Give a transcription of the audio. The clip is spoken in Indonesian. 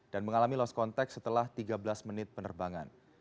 dan mengalami lost contact setelah tiga belas menit penerbangan